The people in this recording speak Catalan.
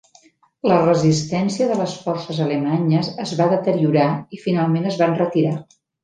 La resistència de les forces alemanyes es va deteriorar i finalment es van retirar.